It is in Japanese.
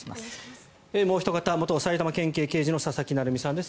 もうおひと方元埼玉県警刑事の佐々木成三さんです。